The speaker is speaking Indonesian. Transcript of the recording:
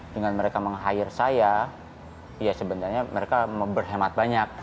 dengan mereka meng hire saya ya sebenarnya mereka berhemat banyak